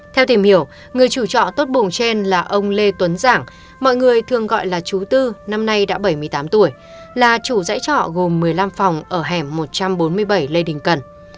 theo tìm hiểu người chủ trọ tốt buồng trên là ông lê tuấn giảng mọi người thường gọi là chú tư năm nay đã bảy mươi tám tuổi là chủ dãy trọ gồm một mươi năm phòng ở hẻm một trăm bốn mươi bảy lê đình cần